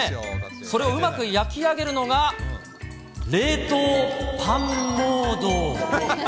それをうまく焼き上げるのが、冷凍パンモード。